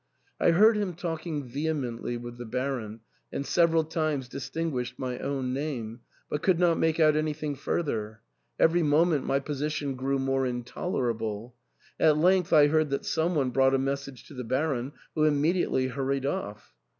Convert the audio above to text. I heard him talking vehemently with the Baron, and several times distinguished my own name, but could not make out anything further. Every moment my position grew more intolerable. At length I heard that some one brought a message to the Baron, who immediately hur ried off.